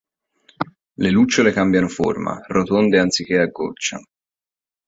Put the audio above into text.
Le lucciole cambiano forma, rotonde anziché a goccia.